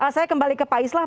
saya kembali ke pak islah